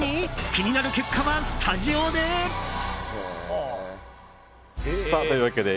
気になる結果はスタジオで！